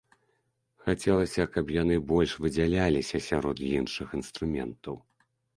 Хацелася, каб яны больш выдзяляліся сярод іншых інструментаў.